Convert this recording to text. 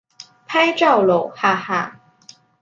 拍照喽哈哈